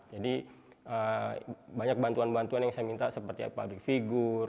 jadi banyak bantuan bantuan yang saya minta seperti pabrik figur